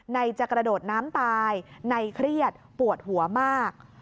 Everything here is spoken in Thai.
ในจะกระโดดน้ำตายในเครียดปวดหัวมาก